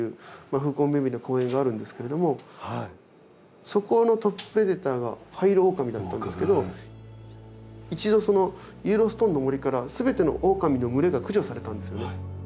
風光明美な公園があるんですけれどもそこのトッププレデターがハイイロオオカミだったんですけど一度そのイエローストーンの森から全てのオオカミの群れが駆除されたんですよね。